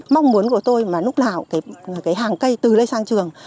mong muốn của tôi mà lúc nào cái hàng cây từ lê sang trường